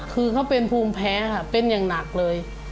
คือเขาเป็นภูมิแพ้ค่ะเป็นอย่างหนักเลย